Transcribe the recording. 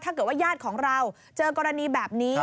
ถ้าเกิดว่าญาติของเราเจอกรณีแบบนี้